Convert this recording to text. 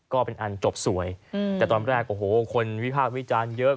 ก็เป็นอันจบสวยแต่ตอนแรกคนวิภาพวิจารณ์เยอะ